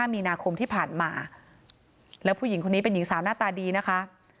มีนาคมที่ผ่านมาแล้วผู้หญิงคนนี้เป็นหญิงสาวหน้าตาดีนะคะ